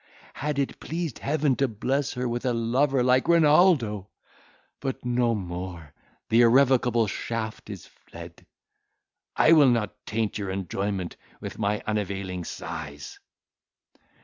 Had it pleased Heaven to bless her with a lover like Renaldo! but no more, the irrevocable shaft is fled. I will not taint your enjoyment with my unavailing sighs!"